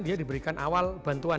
dia diberikan awal bantuan